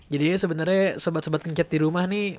jadi sebenernya sobat sobat kencet di rumah nih